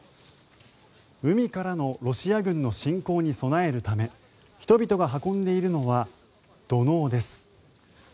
海からのロシア軍の侵攻に備えるため人々が運んでいるのは土のうです。